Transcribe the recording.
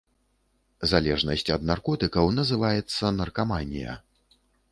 Залежнасць ад наркотыкаў называецца наркаманія.